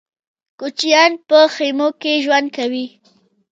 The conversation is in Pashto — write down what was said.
کوچيان په خيمو کې ژوند کوي.